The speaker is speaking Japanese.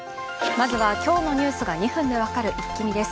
まずは今日のニュースが２分で分かるイッキ見です。